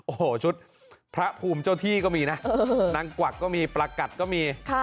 โอ้โหชุดพระภูมิเจ้าที่ก็มีนะนางกวักก็มีประกัดก็มี